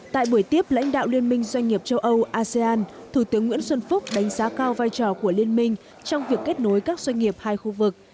tại buổi tiếp lãnh đạo liên minh doanh nghiệp châu âu asean thủ tướng nguyễn xuân phúc đánh giá cao vai trò của liên minh trong việc kết nối các doanh nghiệp hai khu vực